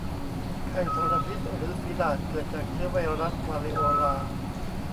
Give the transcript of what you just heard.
ไข้ทรพิษหรือฝีดาษเกิดจากเชื้อไวรัสวาริโอลา